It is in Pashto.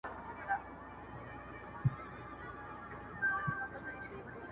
• ږغ د خپل بلال مي پورته له منبره له منار کې -